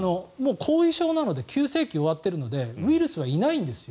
後遺症なので急性期は終わっているのでウイルスいないんです。